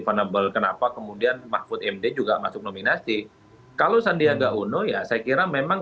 vnable kenapa kemudian mahfud md juga masuk nominasi kalau sandiaga uno ya saya kira memang